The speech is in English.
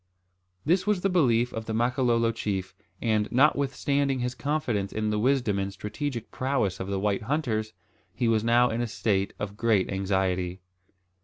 This was the belief of the Makololo chief; and, notwithstanding his confidence in the wisdom and strategic prowess of the white hunters, he was now in a state of great anxiety.